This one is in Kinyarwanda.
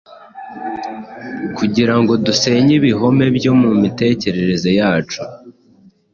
kugira ngo dusenye ibihome byo mu mitekerereze yacu.